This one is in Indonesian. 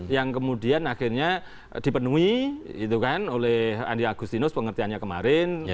yang kemudian akhirnya dipenuhi oleh andi agustinus pengertiannya kemarin